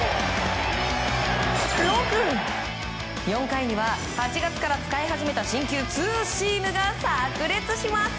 ４回には８月から使い始めた新球ツーシームがさく裂します。